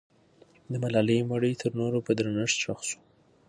د ملالۍ مړی تر نورو په درنښت ښخ سو.